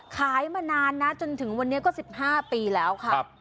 ขายมานานนะจนถึงวันนี้ก็๑๕ปีแล้วค่ะ